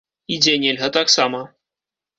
І дзе нельга таксама.